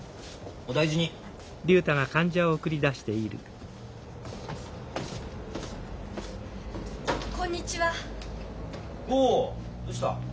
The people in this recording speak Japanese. おおどうした？